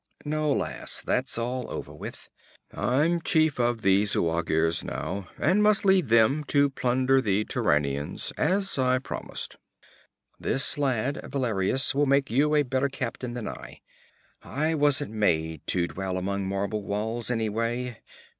'No, lass, that's over with. I'm chief of the Zuagirs now, and must lead them to plunder the Turanians, as I promised. This lad, Valerius, will make you a better captain than I. I wasn't made to dwell among marble walls, anyway.